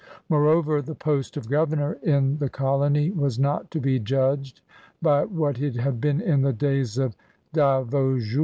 Moreover, the post of governor in the colony was not to be judged by what it had been in the days of D'Avaugour or De M^zy.